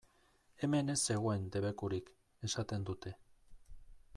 Hemen ez zegoen debekurik!, esaten dute.